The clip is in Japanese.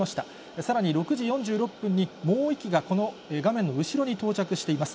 さらに６時４６分に、もう１機がこの画面の後ろに到着しています。